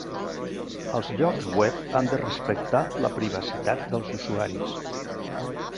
Els llocs web han de respectar la privacitat dels usuaris.